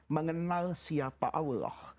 mengenal siapa allah